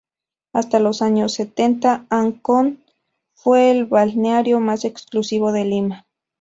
Hasta los años setenta, Ancón fue el balneario más exclusivo de Lima.